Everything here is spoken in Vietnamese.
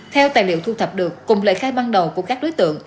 theo tài liệu thu thập được cùng lời khai ban đầu của các đối tượng